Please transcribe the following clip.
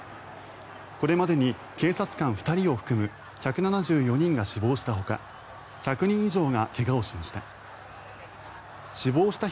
これまでに警察官２人を含む１７４人が死亡したほか１００人以上が怪我をしました。